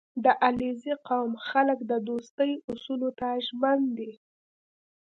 • د علیزي قوم خلک د دوستۍ اصولو ته ژمن دي.